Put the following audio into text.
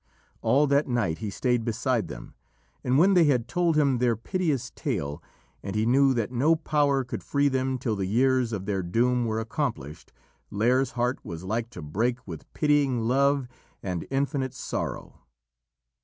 All that night he stayed beside them, and when they had told him their piteous tale and he knew that no power could free them till the years of their doom were accomplished, Lîr's heart was like to break with pitying love and infinite sorrow.